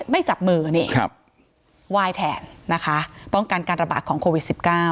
ไม่จับมือนี่ไหว้แทนนะคะป้องกันการระบาดของโควิด๑๙